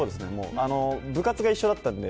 部活が一緒だったんで。